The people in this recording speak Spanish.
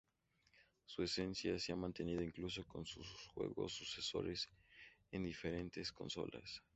Su esencia se ha mantenido incluso con sus juegos sucesores en diferentes consolas.